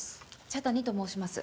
茶谷と申します。